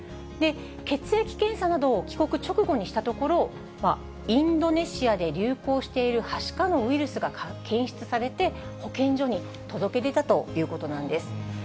血液検査などを帰国直後にしたところ、インドネシアで流行しているはしかのウイルスが検出されて、保健所に届け出たということなんです。